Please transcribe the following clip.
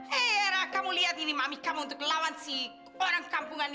hey era kamu liat ini mami kamu untuk lawan si orang kampungan ini